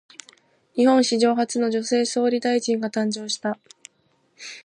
日本史上初の女性総理大臣が誕生した。